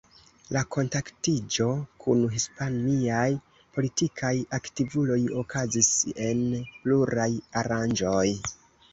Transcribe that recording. La kontaktiĝo kun hispaniaj politikaj aktivuloj okazis en pluraj aranĝoj.